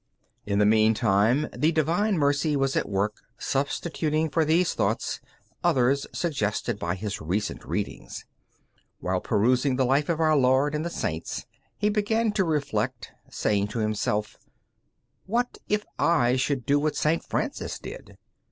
In the meantime the divine mercy was at work substituting for these thoughts others suggested by his recent readings. While perusing the life of Our Lord and the saints, he began to reflect, saying to himself: "What if I should do what St. Francis did?"